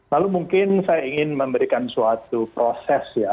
lalu mungkin saya ingin memberikan suatu proses ya